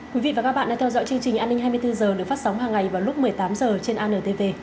quý vị và các bạn đang theo dõi chương trình an ninh hai mươi bốn h được phát sóng hàng ngày vào lúc một mươi tám h trên antv